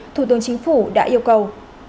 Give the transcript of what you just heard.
thủ tướng chính phủ đã yêu cầu